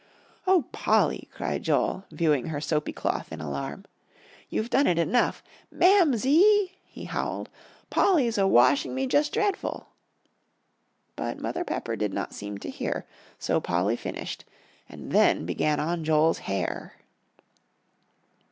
"Oh, Polly," cried Joel, viewing her soapy cloth in alarm, "you've done it enough. Mamsie," he howled, "Polly's a washing me just dreadful." But Mother Pepper did not seem to hear, so Polly finished, and then began on Joel's hair.